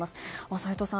齋藤さん